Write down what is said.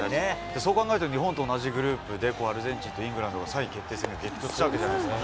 そう考えると、日本と同じグループで、アルゼンチンとイングランドが、３位決定戦で激突したわけじゃないですか。